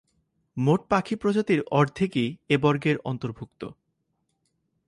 মোট পাখি প্রজাতির অর্ধেকই এ বর্গের অন্তর্ভুক্ত।